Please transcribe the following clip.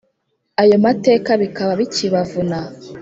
Ayo mateka bikaba bikibavuna